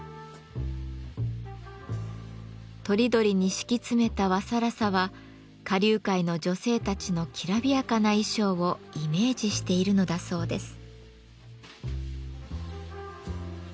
とりどりに敷き詰めた和更紗は花柳界の女性たちのきらびやかな衣装をイメージしているのだそうです。